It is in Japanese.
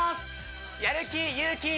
やる気勇気